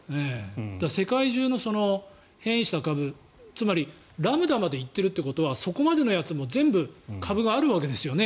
世界中の変異した株つまりラムダまで行ってるということはそこまでのやつも全部、株があるわけですよね。